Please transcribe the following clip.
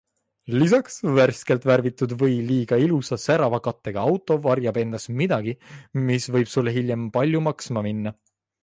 Lisaks, värskelt värvitud või liiga ilusa, särava kattega auto varjab endas midagi, mis võib sulle hiljem palju maksma minna.